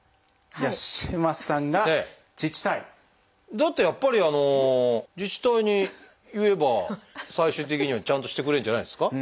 だってやっぱり自治体に言えば最終的にはちゃんとしてくれるんじゃないですか？